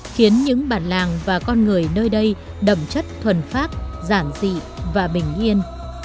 khiến những bản làng và con người nơi đây đậm chất thuần pháp giản dị và bình yên